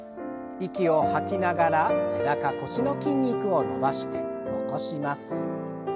息を吐きながら背中腰の筋肉を伸ばして起こします。